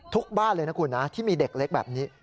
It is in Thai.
บ้านเลยนะคุณนะที่มีเด็กเล็กแบบนี้